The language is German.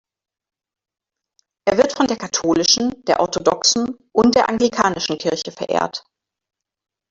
Er wird von der katholischen, der orthodoxen und der anglikanischen Kirche verehrt.